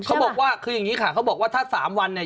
เขาบอกว่าคืออย่างนี้ค่ะเขาบอกว่าถ้า๓วันเนี่ย